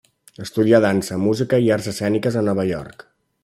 Estudià dansa, música i arts escèniques a Nova York.